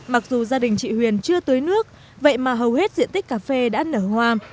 mặc dù gia đình chị huyền chưa tưới nước vậy mà hầu hết diện tích cà phê đã nở hoa